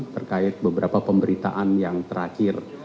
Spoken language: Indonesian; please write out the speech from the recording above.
terkait beberapa pemberitaan yang terakhir